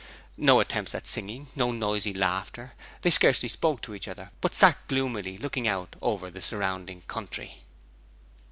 No attempts at singing, no noisy laughter; they scarcely spoke to each other, but sat gloomily gazing out over the surrounding country.